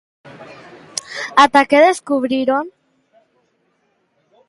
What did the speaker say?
Ata que a descubriron.